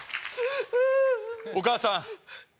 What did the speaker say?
お母さん